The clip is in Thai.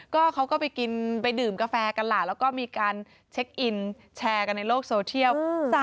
ก็เขาก็ไปกินไปดื่มกาแฟกันล่ะแล้วก็มีการเช็คอินแชร์กันในโลกโซเทียล